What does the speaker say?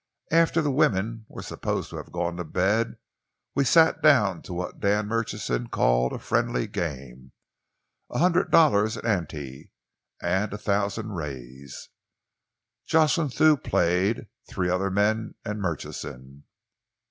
After the women were supposed to have gone to bed, we sat down to what Dan Murchison called a friendly game a hundred dollars ante, and a thousand rise. Jocelyn Thew played, three other men, and Murchison.